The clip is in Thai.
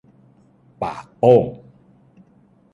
ปากโป้ง